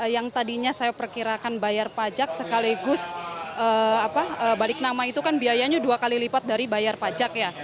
yang tadinya saya perkirakan bayar pajak sekaligus balik nama itu kan biayanya dua kali lipat dari bayar pajak ya